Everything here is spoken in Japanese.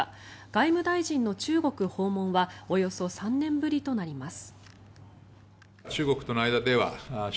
外務大臣の中国訪問はおよそ３年ぶりとなります。